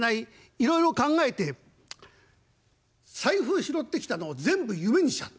いろいろ考えて財布拾ってきたのを全部夢にしちゃう。